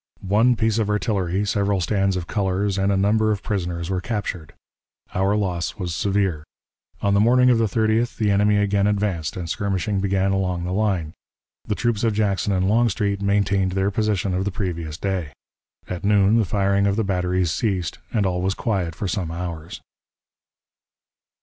One piece of artillery, several stands of colors, and a number of prisoners were captured. Our loss was severe. On the morning of the 30th the enemy again advanced, and skirmishing began along the line. The troops of Jackson and Longstreet maintained their position of the previous day. At noon the firing of the batteries ceased, and all was quiet for some hours.